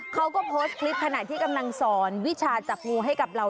เขาก็โพสต์คลิปขณะที่กำลังสอนวิชาจับงูให้กับเรา